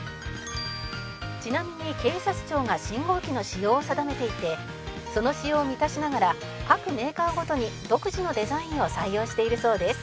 「ちなみに警察庁が信号機の仕様を定めていてその仕様を満たしながら各メーカーごとに独自のデザインを採用しているそうです」